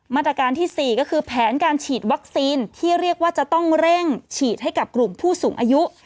มาตรการที่๔ก็คือแผนการฉีดวัคซีนที่เรียกว่าจะต้องเร่งฉีดให้กับกลุ่มผู้สูงอายุ